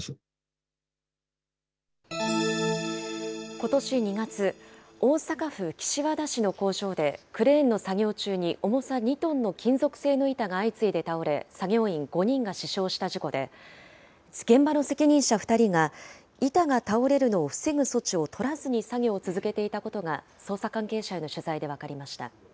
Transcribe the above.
ことし２月、大阪府岸和田市の工場でクレーンの作業中に重さ２トンの金属製の板が相次いで倒れ、作業員５人が死傷した事故で、現場の責任者２人が、板が倒れるのを防ぐ措置を取らずに作業を続けていたことが、捜査関係者への取材で分かりました。